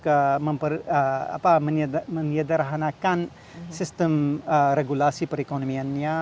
kita menyederhanakan sistem regulasi perekonomiannya